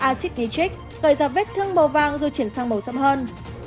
axit nitric gợi ra vết thương màu vàng rồi chuyển sang màu sẫm hơn